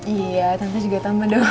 iya tanpa juga tambah dong